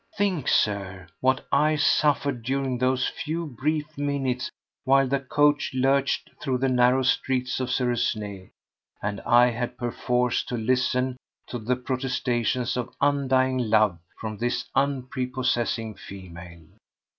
Think, Sir, what I suffered during those few brief minutes while the coach lurched through the narrow streets of Suresnes, and I had perforce to listen to the protestations of undying love from this unprepossessing female!